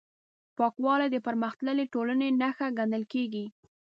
پاکوالی د پرمختللې ټولنې نښه ګڼل کېږي.